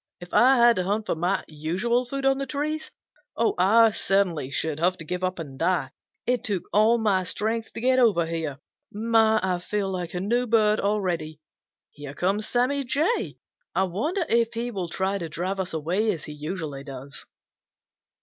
If I had to hunt for my usual food on the trees, I certainly should have to give up and die. It took all my strength to get over here. My, I feel like a new bird already! Here comes Sammy Jay. I wonder if he will try to drive us away as he usually does."